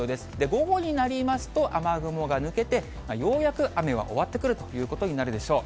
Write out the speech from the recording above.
午後になりますと、雨雲が抜けて、ようやく雨は終わってくるということになるでしょう。